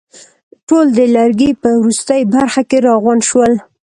ټول د لرګي په وروستۍ برخه کې راغونډ شول.